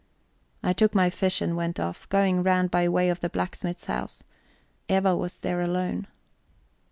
I took my fish and went off, going round by way of the blacksmith's house. Eva was there alone.